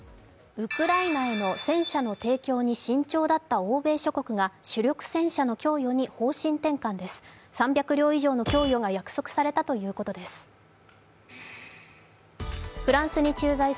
ウクライナへの戦車の提供に慎重だった欧米諸国が主力戦車の供与に方針転換です。